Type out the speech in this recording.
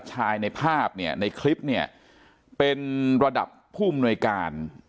ในภาพเนี่ยในคลิปเนี่ยเป็นระดับผู้อำนวยการ